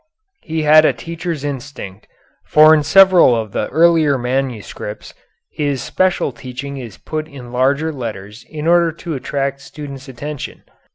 He had a teacher's instinct, for in several of the earlier manuscripts his special teaching is put in larger letters in order to attract students' attention....